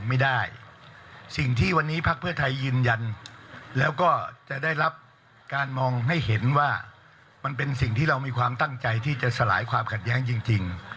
ไม่ได้สิ่งที่วันนี้พักเพื่อไทยยืนยันแล้วก็จะได้รับการมองให้เห็นว่ามันเป็นสิ่งที่เรามีความตั้งใจที่จะสลายความขัดแย้งจริง